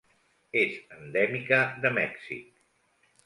És endèmica de Mèxic.